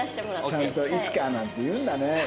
ちゃんと「いつか」なんて言うんだね。